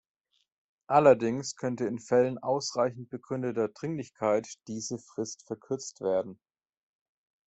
Allerdings könnte in Fällen ausreichend begründeter Dringlichkeit diese Frist verkürzt werden.